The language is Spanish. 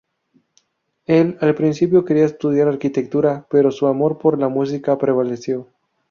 Él, al principio, quería estudiar arquitectura, pero su amor por la música prevaleció.